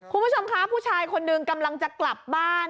คุณผู้ชมคะผู้ชายคนหนึ่งกำลังจะกลับบ้าน